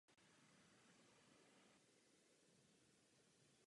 Zkoušíme úplně všechno.